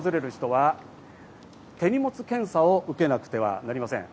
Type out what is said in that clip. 献花に訪れる人は手荷物検査を受けなくてはなりません。